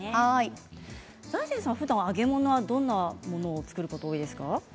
財前さん、ふだん揚げ物はどんなものを作ることが多いですか？